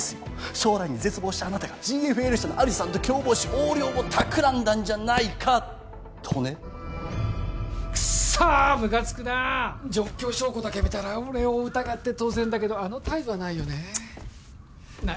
将来に絶望したあなたがＧＦＬ社のアリさんと共謀し横領をたくらんだんじゃないかとねクッソーむかつくな状況証拠だけ見たら俺を疑って当然だけどあの態度はないよねなあ